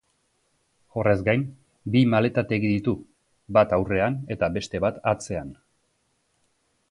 Horrez gain, bi maletategi ditu, bat aurrean eta beste bat atzean.